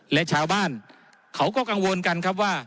และชาวบ้านเขาก็กังวลกันครับว่า